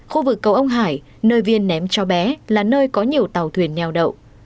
khu vực cầu ông hải nơi viên ném cháu bé là nơi có nhiều tàu thuyền nheo đậu